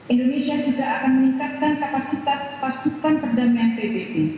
indonesia juga akan meningkatkan kapasitas pasukan perdamaian pbb